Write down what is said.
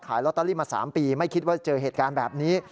ลอตเตอรี่มา๓ปีไม่คิดว่าเจอเหตุการณ์แบบนี้